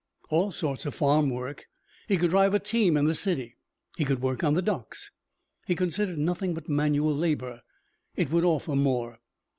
All sorts of farm work. He could drive a team in the city. He could work on the docks. He considered nothing but manual labor. It would offer more.